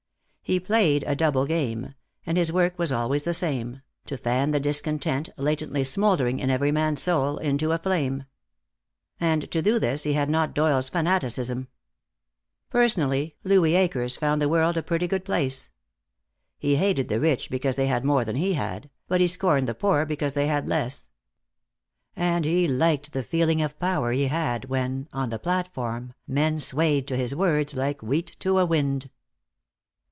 He played a double game, and his work was always the same, to fan the discontent latently smoldering in every man's soul into a flame. And to do this he had not Doyle's fanaticism. Personally, Louis Akers found the world a pretty good place. He hated the rich because they had more than he had, but he scorned the poor because they had less. And he liked the feeling of power he had when, on the platform, men swayed to his words like wheat to a wind.